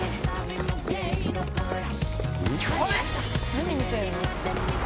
何見てんの？